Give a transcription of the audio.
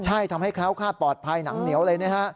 ใช่ทำให้แคล้วคาดปลอดภัยหนังเหนียวเลยนะฮะ